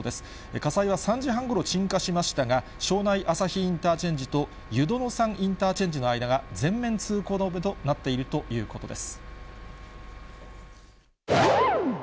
火災は３時半ごろ鎮火しましたが、庄内あさひインターチェンジと湯殿山インターチェンジの間が全面通行止めとなっているということです。